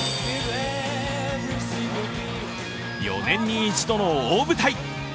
４年に１度の大舞台。